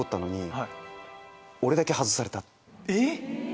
えっ！